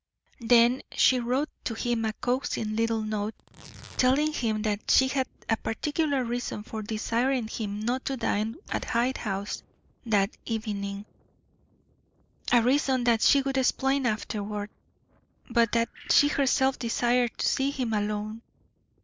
Then she wrote to him a coaxing little note, telling him that she had a particular reason for desiring him not to dine at Hyde House that evening a reason that she would explain afterward, but that she herself desired to see him alone.